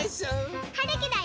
はるきだよ。